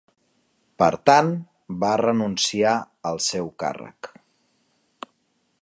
Per tant, va renunciar al seu càrrec.